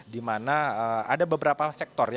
dimana ada beberapa sektor